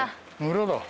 村だ。